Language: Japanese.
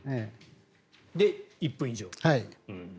で、１分以上。